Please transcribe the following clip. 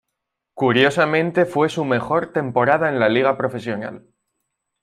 Curiosamente fue su mejor temporada en la liga profesional.